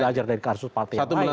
belajar dari kasus partai yang lain